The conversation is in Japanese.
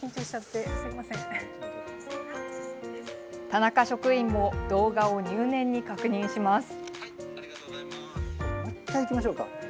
田中職員も動画を入念に確認します。